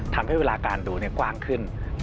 ทำให้เวลาการดูกว้างขึ้น